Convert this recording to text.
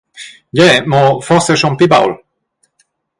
Gie, mon forsa era schon pli baul.